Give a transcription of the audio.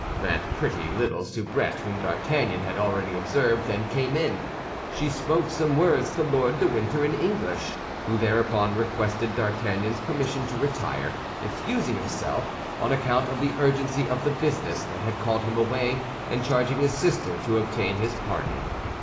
That pretty little soubrette whom D'Artagnan had already observed then came in. She spoke some words to Lord de Winter in English, who thereupon requested D'Artagnan's permission to retire, excusing himself on account of the urgency of the business that had called him away, and charging his sister to obtain his pardon.